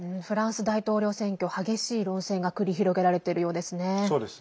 フランス大統領選挙激しい論戦が繰り広げられているようですね。